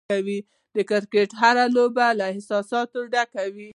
د کرکټ هره لوبه له احساساتو ډکه وي.